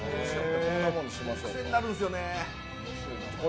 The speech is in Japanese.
クセになるんですよね。